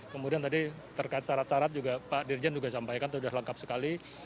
kemudian tadi terkait syarat syarat juga pak dirjen juga sampaikan itu sudah lengkap sekali